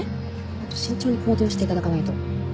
もっと慎重に行動していただかないと。